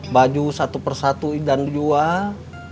baju satu persatu idan jual